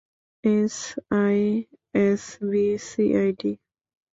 SI, SB-CID.